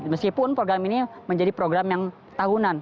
meskipun program ini menjadi program yang tahunan